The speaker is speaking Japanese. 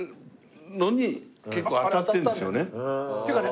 っていうかね